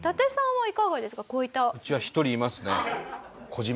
はい。